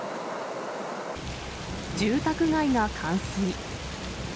住宅街が冠水。